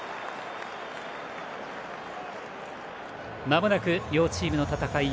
まもなく両チームの戦い